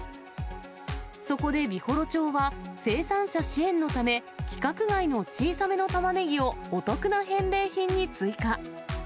そこで美幌町は、生産者支援のため、規格外の小さめのタマネギをお得な返礼品に追加。